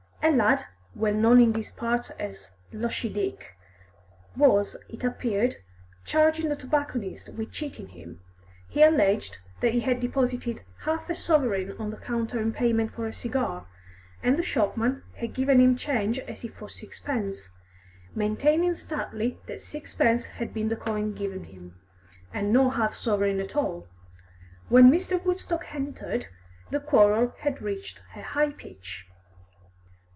A lad, well known in these parts as "Lushy Dick," was, it appeared, charging the tobacconist with cheating him; he alleged that he had deposited half a sovereign on the counter in payment for a cigar, and the shopman had given him change as if for sixpence, maintaining stoutly that sixpence had been the coin given him, and no half sovereign at all. When Mr. Woodstock entered, the quarrel had reached a high pitch.